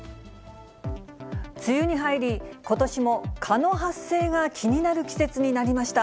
梅雨に入り、ことしも蚊の発生が気になる季節になりました。